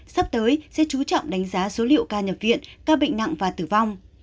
sắp tới sẽ chú trọng đánh giá số liệu ca nhập viện ca bệnh nặng và tử vong